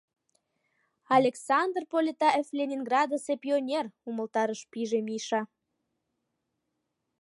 — Александр Полетаев Ленинградысе пионер, — умылтараш пиже Миша.